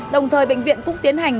đồng thời bệnh viện cũng tiến hành